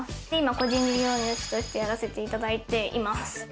個人事業主としてやらせていただいています。